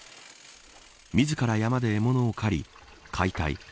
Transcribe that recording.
自ら山で獲物を狩り解体。